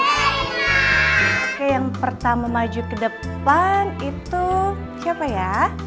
oke yang pertama maju kedepan itu siapa ya